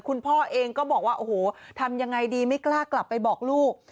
คุณพ่อเองก็บอกว่าโอ้โหทำยังไงดีไม่กล้ากลับไปบอกลูก